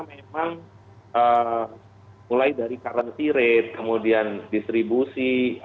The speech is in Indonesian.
memang mulai dari currency rate kemudian distribusi